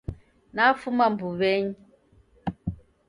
Nafuma mbuw'enyi